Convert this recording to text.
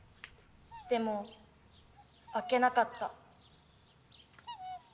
でも開けなかった。